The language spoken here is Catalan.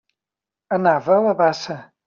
Anava a la bassa.